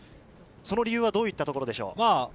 理由はどういったところでしょう？